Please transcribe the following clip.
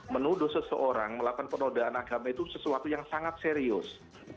menuduh seseorang melakukan penodaan agama itu sesuatu yang sangat serius